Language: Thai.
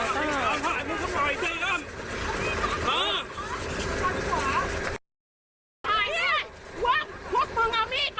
พวกมึงเป็นคนถือมีดหนึ่ง